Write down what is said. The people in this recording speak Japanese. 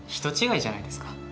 人違いじゃないですか？